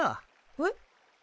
えっ？